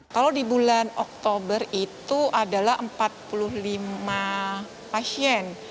kalau di bulan oktober itu adalah empat puluh lima pasien